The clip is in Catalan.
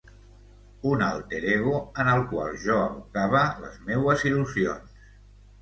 Un alter ego en el qual jo abocava les meues il·lusions.